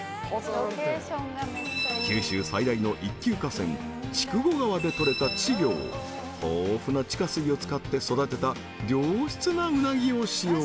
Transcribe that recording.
［九州最大の１級河川筑後川でとれた稚魚を豊富な地下水を使って育てた良質なうなぎを使用］